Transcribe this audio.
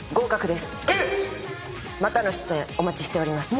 またの出演お待ちしております。